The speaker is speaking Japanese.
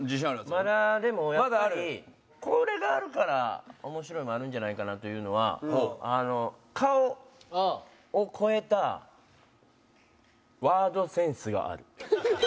まだでもやっぱりこれがあるから面白いもあるんじゃないかなというのは「顔を超えたワードセンスがある」。